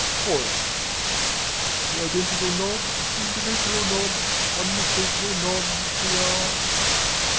Chorus The identical nobs, individual nobs Unmistakable nobs we are.